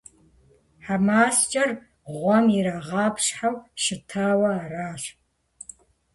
ХьэмаскӀэр гъуэм ирагъапщхьэу щытауэ аращ.